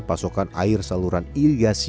pasokan air saluran ilyasi